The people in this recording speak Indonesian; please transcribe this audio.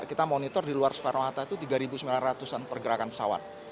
kita monitor di luar soekarno hatta itu tiga sembilan ratus an pergerakan pesawat